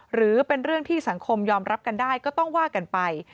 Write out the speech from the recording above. หรือเป็นเรื่องที่สังคมยอมรับกันได้ก็ต้องว่ากันไป